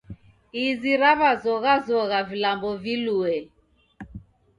Izi raw'azoghazogha vilambo vilue